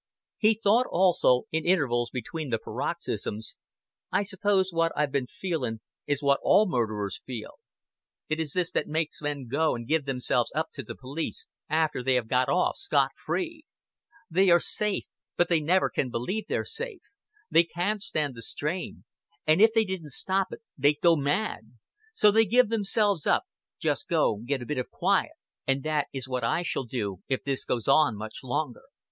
He thought also, in intervals between the paroxysms, "I suppose what I've been feeling is what all murderers feel. It is this that makes men go and give themselves up to the police after they have got off scot free. They are safe, but they never can believe they're safe; they can't stand the strain, and if they didn't stop it, they'd go mad. So they give themselves up just go get a bit o' quiet. And that is what I shall do, if this goes on much longer.